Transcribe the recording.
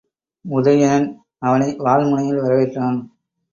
உதயணன் அவனை வாள்முனையில் வரவேற்றான்.